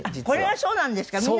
これがそうなんですか？